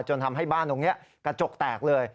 จนทำให้บ้านตรงนี้กระจกแตกเลย